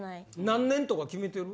何年とか決めてる？